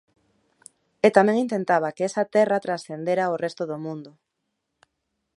E tamén intentaba que esa terra transcendera ao resto do mundo.